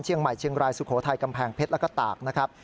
เชียงใหม่เชียงรายสุโขทัยกำแพงเพชรแล้วก็ตากนะครับ